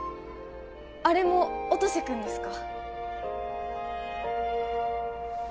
あれも音瀬君ですか？